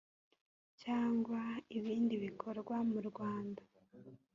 cyangwa ibindi bikorwa mu rwanda